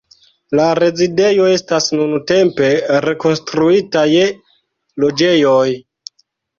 La rezidejo estas nuntempe rekonstruita je loĝejoj.